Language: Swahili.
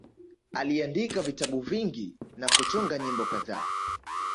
Aliandika vitabu vingi na kutunga nyimbo kadhaa